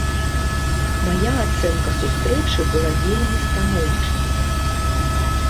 Мая ацэнка сустрэчы была вельмі станоўчай.